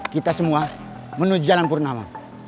kita semua menuju jalan purnama